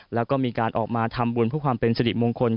แล้วก็มีการออกมาทำบุญเพื่อความเป็นสิริมงคล